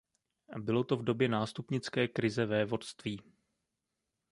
Bylo to v době nástupnické krize vévodství.